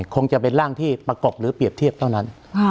คงจะเป็นร่างที่ประกบหรือเปรียบเทียบเท่านั้น